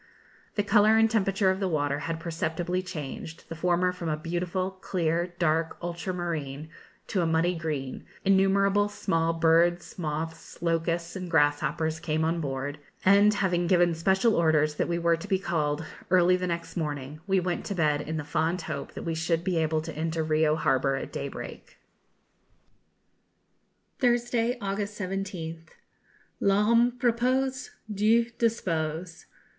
The colour and temperature of the water had perceptibly changed, the former from a beautiful, clear, dark ultramarine to a muddy green; innumerable small birds, moths, locusts, and grasshoppers came on board; and, having given special orders that we were to be called early the next morning, we went to bed in the fond hope that we should be able to enter Rio harbour at daybreak. Thursday, August 17th. 'L'homme propose; Dieu dispose.'